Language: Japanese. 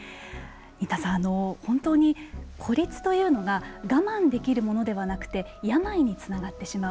新田さん、本当に孤立というのが我慢できるものではなくて病につながってしまう。